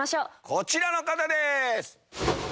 こちらの方です。